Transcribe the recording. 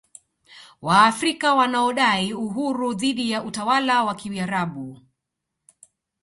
Waafrika wanaodai uhuru dhidi ya utawala wa Kiarabu